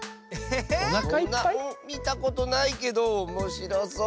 みたことないけどおもしろそう。